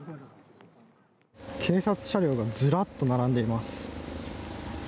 警察車両がずらっと並んでいます。